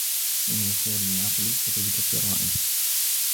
مِنْ وُفُورِ الْعَقْلِ وَجَوْدَةِ الرَّأْيِ